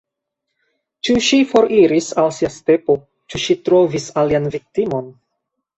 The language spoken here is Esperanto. Ĉu ŝi foriris al sia stepo, ĉu ŝi trovis alian viktimon?